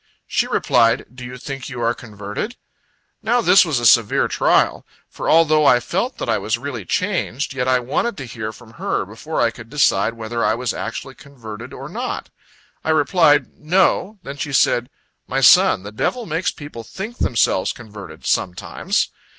She replied, "Do you think you are converted?" Now, this was a severe trial; for, although I felt that I was really changed, yet I wanted to hear from her, before I could decide whether I was actually converted, or not. I replied, "No." Then she said, "My son, the devil makes people think themselves converted, sometimes."